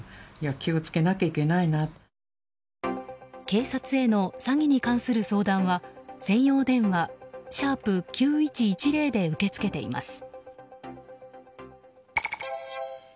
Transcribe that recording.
警察への詐欺に関する相談は専用電話＃９１１０で受け付けています。